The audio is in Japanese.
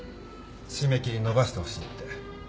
締め切り延ばしてほしいって。